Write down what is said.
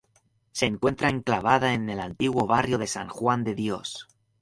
Se encuentra enclavada en el antiguo barrio de San Juan de Dios.